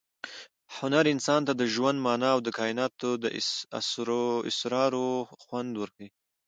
هنر انسان ته د ژوند مانا او د کائناتو د اسرارو خوند ورښيي.